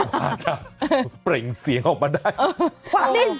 อาจจะเปล่งเสียงออกมาได้